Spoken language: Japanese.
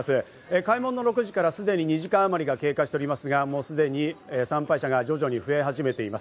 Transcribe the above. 開門の６時からすでに２時間あまり経過していますが、すでに参拝者が徐々に増え始めています。